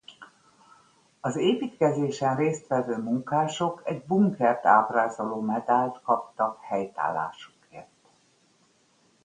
Az építkezésen részt vevő munkások egy bunkert ábrázoló medált kaptak helytállásukért.